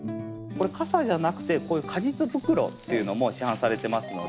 かさじゃなくてこういう果実袋っていうのも市販されてますので。